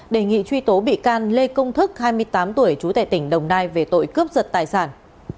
đề nghị truy tố bị can lê công thức hai mươi tám tuổi trú tại tỉnh đồng nai về tội cướp giật tài sản